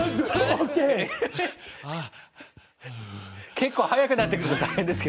結構速くなってくると大変ですけどね。